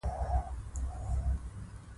هغه د خپلو کلیوالو لپاره ناقص فارمولونه جوړوي